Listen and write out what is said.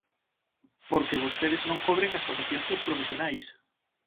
Porque vostedes non cobren as vacacións dos profesionais.